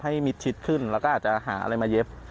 มิดชิดขึ้นแล้วก็อาจจะหาอะไรมาเย็บ